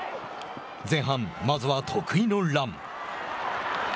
前半、まずは得意のラン。